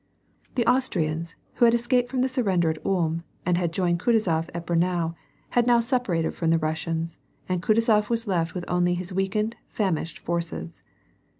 The Austrians, who had escaped from the surrender at Ulm, and had joined Kutuzof at Braunau, had now separated from the Russians, and Kutuzof was left only with his weakened, famished forces.